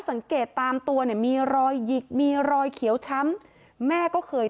สังเกตตามตัวเนี่ยมีรอยหยิกมีรอยเขียวช้ำแม่ก็เคย